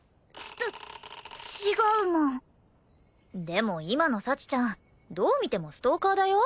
でも今の幸ちゃんどう見てもストーカーだよ。